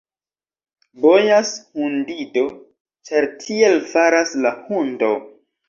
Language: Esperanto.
Bojas hundido, ĉar tiel faras la hundo.